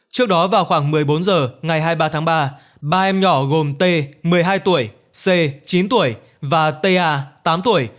trước đó vào khoảng một mươi bốn h ngày hai mươi ba tháng ba ba em nhỏ gồm t một mươi hai tuổi c chín tuổi và ta tám tuổi